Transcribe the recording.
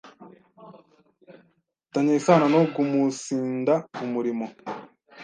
tanye isano no “guumunsinda umurimo